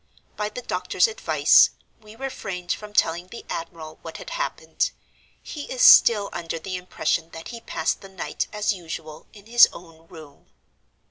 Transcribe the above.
By the doctor's advice, we refrained from telling the admiral what had happened. He is still under the impression that he passed the night as usual in his own room.